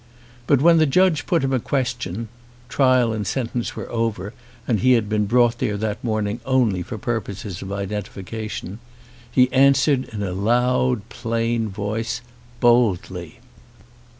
But when the judge put him a question — trial and sentence were over and he had been brought there that morning only for purposes of identification — he answered in a loud plain voice, boldly.